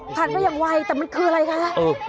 ผ่านไปอย่างไวแต่มันคืออะไรคะ